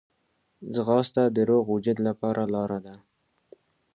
ځغاسته د روغ وجود لپاره لاره ده